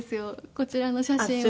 こちらの写真は。